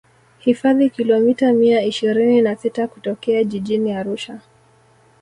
hifadhi kilomita mia ishirini na sita kutokea jijini arusha